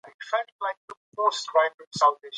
که متوازنه تغذیه دود شي، بدني وړتیا پیاوړې کېږي.